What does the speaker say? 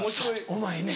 お前ね